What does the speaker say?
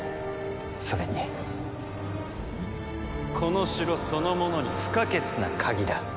それにこの城そのものに不可欠な鍵だ。